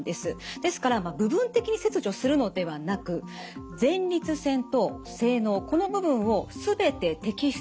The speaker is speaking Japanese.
ですから部分的に切除するのではなく前立腺と精のうこの部分を全て摘出します。